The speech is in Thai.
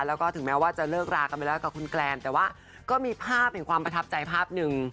แล้วก็ถึงแม้ว่าจะเลิกรากันไปแล้วกับคุณแกรนแต่ว่าก็มีภาพแห่งความประทับใจภาพหนึ่ง